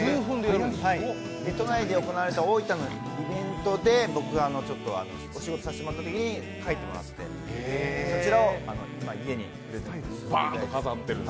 都内で行われた大分のイベントで僕がお仕事させてもらったときに描いてもらつて飾っていると。